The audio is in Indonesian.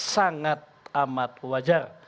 sangat amat wajar